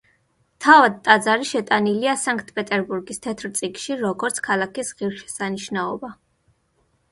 თავად ტაძარი შეტანილია სანქტ-პეტერბურგის თეთრ წიგნში, როგორც ქალაქის ღირსშესანიშნაობა.